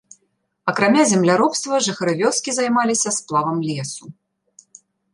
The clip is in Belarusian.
Акрамя земляробства жыхары вёскі займаліся сплавам лесу.